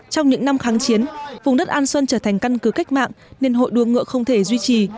trong những năm kháng chiến vùng đất an xuân trở thành căn cứ cách mạng nên hội đua ngựa không thể duy trì